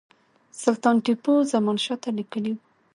سلطان ټیپو زمانشاه ته لیکلي وه.